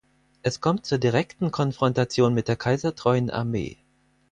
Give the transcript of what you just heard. Es kommt zur direkten Konfrontation mit der kaisertreuen Armee.